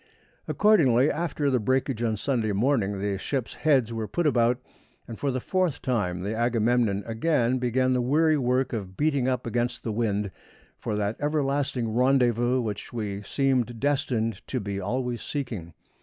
Accordingly, after the breakage on Sunday morning, the ships' heads were put about, and for the fourth time the Agamemnon again began the weary work of beating up against the wind for that everlasting rendezvous which we seemed destined to be always seeking.